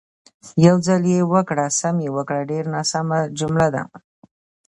"یو ځل یې وکړه، سم یې وکړه" ډېره ناسمه جمله ده.